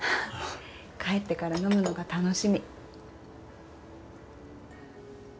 帰ってから飲むのが楽しみ